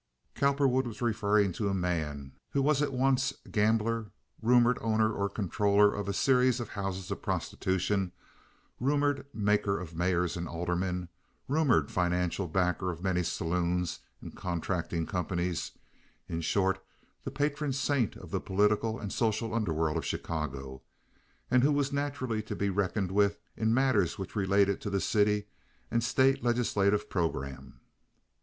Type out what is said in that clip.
Cowperwood was referring to a man who was at once gambler, rumored owner or controller of a series of houses of prostitution, rumored maker of mayors and aldermen, rumored financial backer of many saloons and contracting companies—in short, the patron saint of the political and social underworld of Chicago, and who was naturally to be reckoned with in matters which related to the city and state legislative programme.